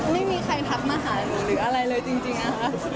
ไม่มีใครทักมาหาผมส่วนจริงอ่ะ